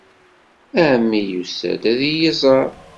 Ɛemmi yusa-d ad iyi-iẓer.